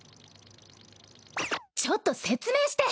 ちょっと説明して！